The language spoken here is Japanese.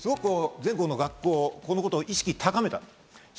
全国の学校はこのことで意識を高めた。